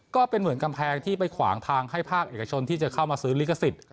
ก็เป็นเหมือนกำแพงที่ไปขวางทางให้ภาคเอกชนที่จะเข้ามาซื้อลิขสิทธิ์